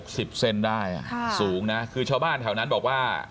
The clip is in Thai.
๖๐เส้นได้สูงนะคือชาวบ้านแถวนั้นบอกว่า